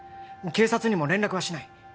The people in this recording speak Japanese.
警察にも連絡はしない